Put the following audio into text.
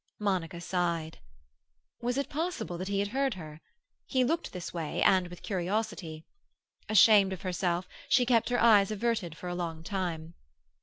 Monica sighed. Was it possible that he had heard her? He looked this way, and with curiosity. Ashamed of herself, she kept her eyes averted for a long time.